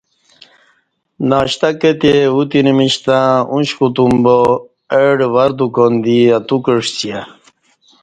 ناشتہ کتے اوتنہ میش تہ اوش کوتوم با اہ ڈہ ور دکان دی اتو کعسیہ